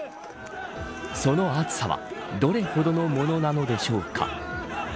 その暑さはどれほどのものなのでしょうか。